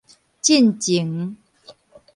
進前